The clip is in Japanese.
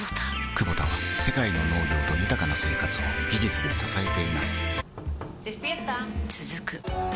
クボタは世界の農業と豊かな生活を技術で支えています起きて。